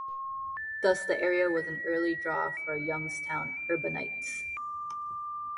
Thus the area was an early draw for Youngstown urbanites.